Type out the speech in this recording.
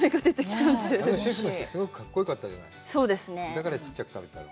だからちっちゃく食べてたの？